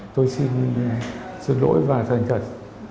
tôi xin xin lỗi và thành thật